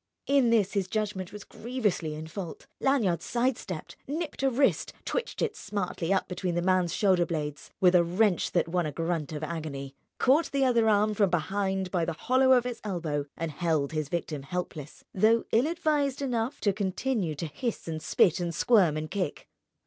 In this his judgment was grievously in fault. Lanyard sidestepped, nipped a wrist, twitched it smartly up between the man's shoulder blades (with a wrench that won a grunt of agony), caught the other arm from behind by the hollow of its elbow, and held his victim helpless—though ill advised enough to continue to hiss and spit and squirm and kick.